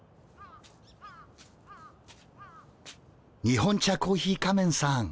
日本茶コーヒー仮面さん。